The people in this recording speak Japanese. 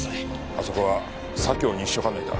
あそこは左京西署管内だ。